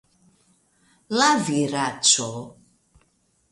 la viraĉo!